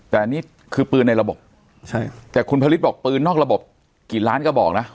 แต่อันนี้คือปืนในระบบใช่แต่คุณผลิตบอกปืนนอกระบบกี่ล้านกระบอกนะ